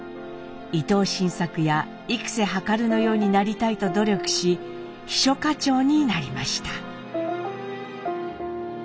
伊藤新作や幾量のようになりたいと努力し秘書課長になりました。